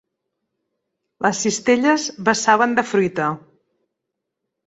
Les cistelles vessaven de fruita.